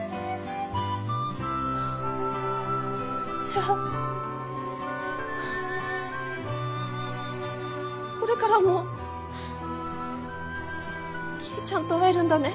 じゃあこれからも桐ちゃんと会えるんだね？